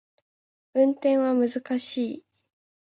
運転は難しい